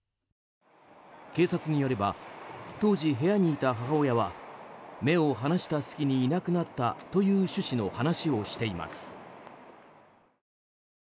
警察によれば当時、部屋にいた母親は目を離した隙にいなくなったという趣旨の話をしています。